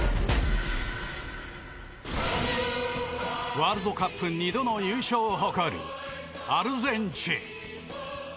ワールドカップ２度の優勝を誇るアルゼンチン。